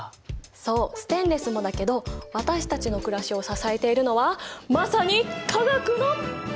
そうステンレスもだけど私たちのくらしを支えているのはまさに化学の力！